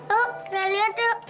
loh kita lihat yuk